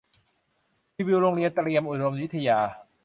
รีวิวโรงเรียนเตรียมอุดมศึกษา